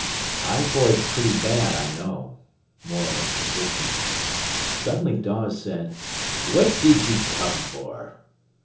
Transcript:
"Typhoid's pretty bad, I know," Morel persisted. Suddenly Dawes said: "What did you come for?"